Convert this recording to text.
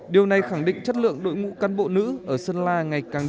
điều này khẳng định chất lượng đội ngũ cán bộ nữ ở sơn la ngày càng cao